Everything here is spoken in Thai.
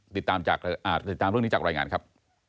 ติดตามเรื่องนี้จากรายงานครับ